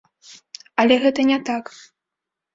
Але гэта не так.